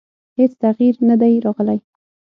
هېڅ تغییر نه دی راغلی.